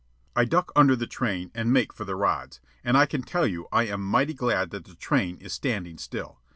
I duck under the train and make for the rods, and I can tell you I am mighty glad that the train is standing still.